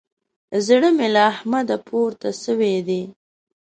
زړه مې له احمده پورته سوی دی.